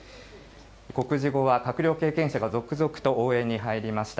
告示後は閣僚経験者が続々と応援に入りました。